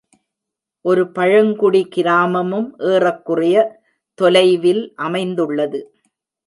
ஒரு பழங்குடி கிராமமும் ஏறக்குறைய தொலைவில் அமைந்துள்ளது